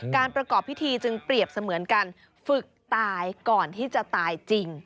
ประกอบพิธีจึงเปรียบเสมือนการฝึกตายก่อนที่จะตายจริง